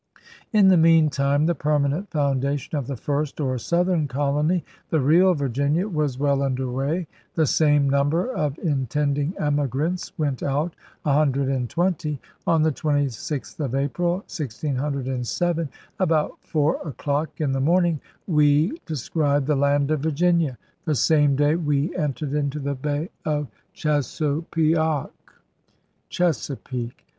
' In the meantime the permanent foundation of the j&rst or southern colony, the real Virginia, was well under way. The same number of intending emigrants went out, a hundred and twenty. On the 26th of April, 1607, 'about four a clocke in the morning, wee descried the Land of Virginia: the same day wee entered into the Bay of Chesupioc' 220 ELIZABETHAN SEA DOGS [Chesapeake].